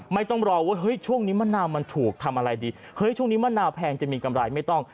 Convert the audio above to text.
ไม่ต้องรอว่าเฮ้ยช่วงนี้มะนาวมันถูกทำอะไรดีเฮ้ยช่วงนี้มะนาวแพงจะมีกำไรไม่ต้อง